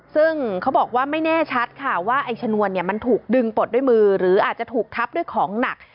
ซึ่งเขาบอกว่าไม่แน่ชัดค่ะว่าไอ้ชนวนเนี่ยมันถูกดึงปลดด้วยมือหรืออาจจะถูกทับด้วยของหนัก